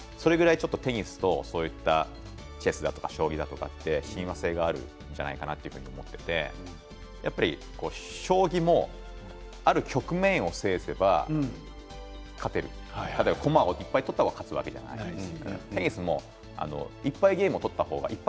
それぐらいテニスとそういったチェスだとか将棋だとかって親和性があるんじゃないかなと思っていて将棋もある局面を制すれば勝てる、例えば駒をいっぱい取ったほうが勝つわけじゃないですか。